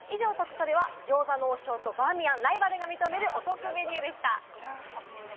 以上、トクトレは餃子の王将とバーミヤン、ライバルが認めるお得メニューでした。